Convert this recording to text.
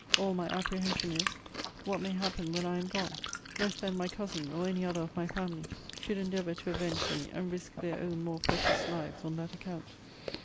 All my apprehension is, what may happen when I am gone; lest then my cousin, or any other of my family, should endeavour to avenge me, and risk their own more precious lives on that account.